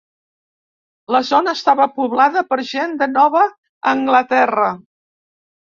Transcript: La zona estava poblada per gent de Nova Anglaterra.